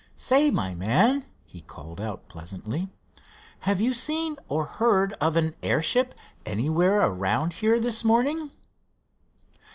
"Say, my man," he called out, pleasantly, "have you seen or heard of an airship anywhere around here this morning?"